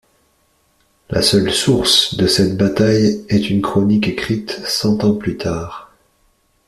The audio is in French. La seule source de cette bataille est une chronique écrite cent ans plus tard.